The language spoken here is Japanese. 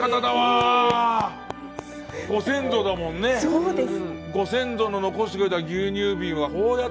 そうです。